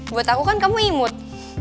buat aku kan kamu imut